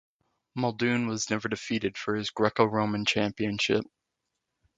Muldoon was never defeated for his Greco-Roman Championship.